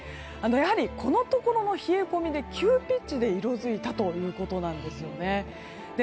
やはり、このところの冷え込みで急ピッチで色づいたということなんですよね。